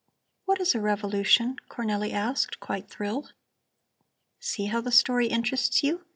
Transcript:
"What is a revolution?" Cornelli asked, quite thrilled. "See how the story interests you!"